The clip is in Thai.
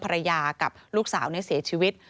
ภรรยากับลูกสาวเสียชีวิต